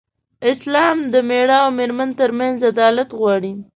اسلام د مېړه او مېرمن تر منځ عدالت غواړي.